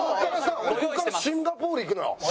俺ここからシンガポール行くのよ。